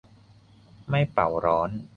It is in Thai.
ไม่เป่าร้อน